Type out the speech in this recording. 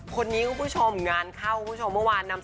คือแบบเราต้องไปเรียนรู้ด้วยกัน